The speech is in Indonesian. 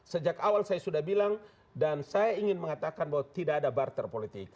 sejak awal saya sudah bilang dan saya ingin mengatakan bahwa tidak ada barter politik